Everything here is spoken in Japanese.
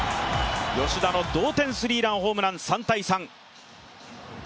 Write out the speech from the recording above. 吉田の同点スリーランホームラン３−３。